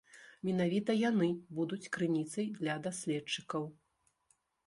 Менавіта яны будуць крыніцай для даследчыкаў.